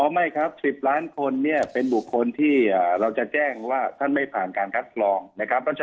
อ๋อไม่ครับ๑๐ล้านคนเนี่ยเป็นบุคคลที่เราจะแจ้งว่าท่านไม่ผ่านวางการรายการคัดปลอม